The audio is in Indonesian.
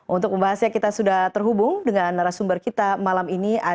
untuk pembahasnya kita sudah terhubung dengan narasumber kita malam ini